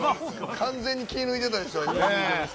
完全に気抜いてたでしょ。